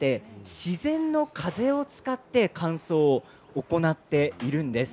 自然の風を使って乾燥を行っているんです。